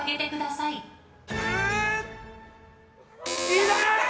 いない！